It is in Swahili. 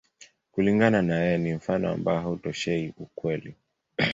Kulingana na yeye, ni mfano ambao hautoshei ukweli.